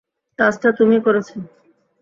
কাজটা তুমিই করেছো।